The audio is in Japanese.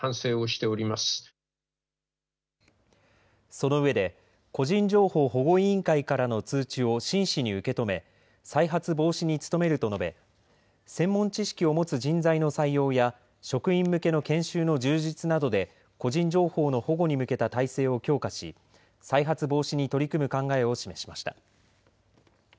その上で、個人情報保護委員会からの通知を真摯に受け止め、再発防止に努めると述べ、専門知識を持つ人材の採用や、職員向けの研修の充実などで、個人情報の保護に向けた体制を強化し、再発防止に取り組む考えを示しました。